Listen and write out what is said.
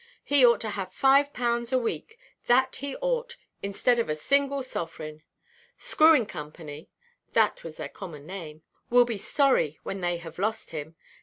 He ought to have five pounds a week, that he ought, instead of a single sovereign. Screwing Co." (this was their common name) "will be sorry when they have lost him.